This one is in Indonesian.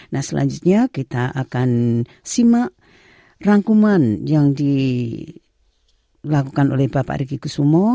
nah selanjutnya kita akan simak rangkuman yang dilakukan oleh bapak riki kusumo